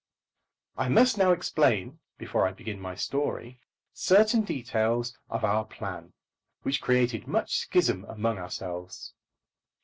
I must now explain before I begin my story certain details of our plan, which created much schism among ourselves.